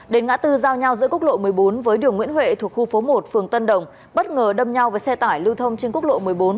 đến ngã tư giao nhau giữa quốc lộ một mươi bốn với đường nguyễn huệ thuộc khu phố một phường tân đồng bất ngờ đâm nhau với xe tải lưu thông trên quốc lộ một mươi bốn